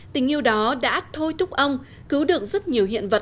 tình yêu đó đã thôi thúc ông cứu được rất nhiều hiện vật